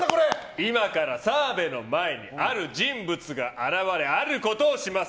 今から澤部の前にある人物が現れあることをします。